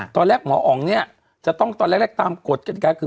หมออ๋องเนี่ยจะต้องตอนแรกตามกฎกติกาคือ